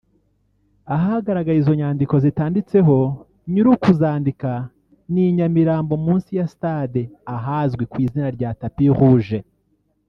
Ahagaragaye izo nyandiko zitanditseho nyiri ukuzandika ni i Nyamirambo munsi ya stade ahazwi kw’izina rya Tapis rouge